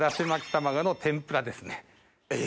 え？